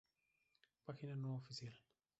Página no oficial.